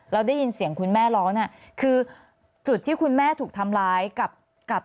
แล้วได้ยินเสียงคุณแม่ร้องเนี่ยคือจุดที่คุณแม่ถูกทำร้ายกับกับ